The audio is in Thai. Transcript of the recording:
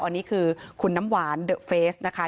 อันนี้คือคุณน้ำหวานเดอะเฟสนะคะ